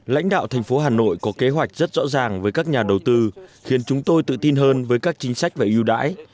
lãnh đạo thành phố hà nội có kế hoạch rất rõ ràng với các nhà đầu tư khiến chúng tôi tự tin hơn với các chính sách và yêu đãi